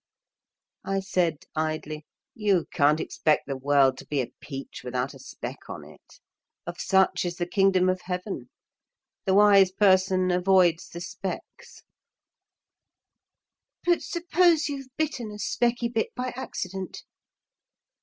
I said idly: "You can't expect the world to be a peach without a speck on it. Of such is the Kingdom of Heaven. The wise person avoids the specks." "But suppose you've bitten a specky bit by accident?"